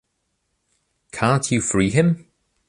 Can't you free him?